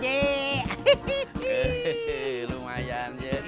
hehehe lumayan sih